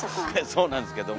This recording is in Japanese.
そうなんですけども。